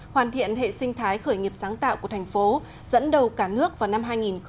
hoàn thiện hệ sinh thái khởi nghiệp sáng tạo của thành phố dẫn đầu cả nước vào năm hai nghìn hai mươi